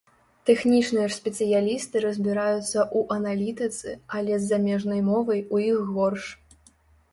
Тэхнічныя ж спецыялісты разбіраюцца ў аналітыцы, але з замежнай мовай у іх горш.